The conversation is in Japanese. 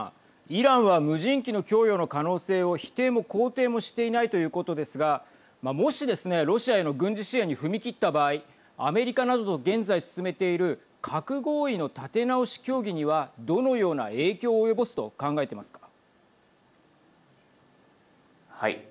イランは無人機の供与の可能性を否定も肯定もしていないということですがもしですね、ロシアへの軍事支援に踏み切った場合アメリカなどと現在進めている核合意の立て直し協議にはどのような影響を及ぼすと考えていますか。